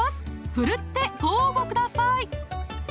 奮ってご応募ください